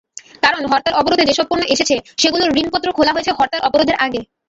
কারণ, হরতাল-অবরোধে যেসব পণ্য এসেছে, সেগুলোর ঋণপত্র খোলা হয়েছে হরতাল-অবরোধের আগে।